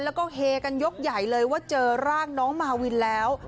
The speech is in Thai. แล้วก็เฮกันยกใหญ่เลยว่าเจอร่างน้องมาวินแล้ว